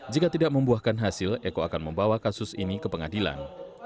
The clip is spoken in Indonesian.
jika tidak membuahkan hasil eko akan membawa kasus ini ke pengadilan